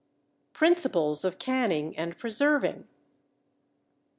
PRINCIPLES OF CANNING AND PRESERVING.